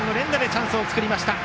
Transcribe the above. チャンスを作りました。